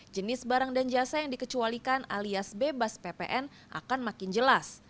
jenis barang dan jasa yang dikecualikan alias bebas ppn akan makin jelas